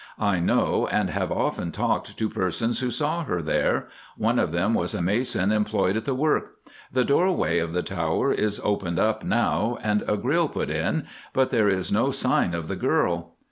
I know, and have often talked to persons who saw her there. One of them was a mason employed at the work. The doorway of the tower is opened up now, and a grill put in, but there is no sign of the girl.